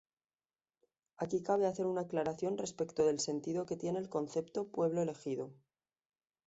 Aquí cabe hacer una aclaración respecto del sentido que tiene el concepto "pueblo elegido".